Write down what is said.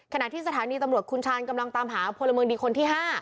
ขณะที่สถานีตำรวจคุณชาญกำลังตามหาพลเมืองดีคนที่๕